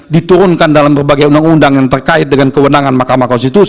diturunkan dalam berbagai undang undang yang terkait dengan kewenangan mahkamah konstitusi